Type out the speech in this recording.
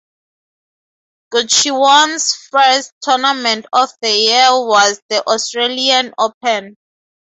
Guccione's first tournament of the year was the Australian Open.